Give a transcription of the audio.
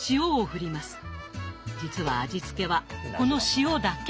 実は味付けはこの塩だけ。